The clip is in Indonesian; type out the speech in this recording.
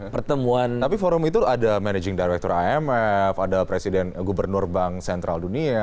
pertemuan tapi forum itu ada managing director imf ada presiden gubernur bank sentral dunia